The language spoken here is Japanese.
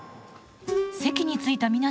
席についた皆さん